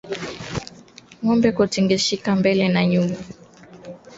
Ngombe kutingishika mbele na nyuma wakati wa kupumua ni dalili ya Ndigana